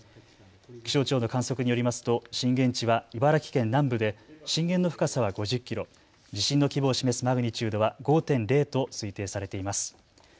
気象庁の観測によりますと震源地は茨城県南部で震源の深さは５０キロ、地震の規模を示すマグニチュードは５．０と推定されています。